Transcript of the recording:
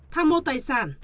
tham mô tài sản